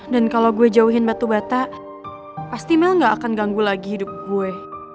dan kalau gue jauhin batu bata pasti mel nggak akan ganggu lagi hidup gue